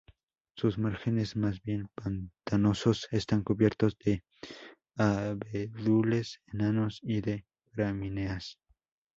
Sus márgenes más bien pantanosos están cubiertos de abedules enanos y de gramíneas.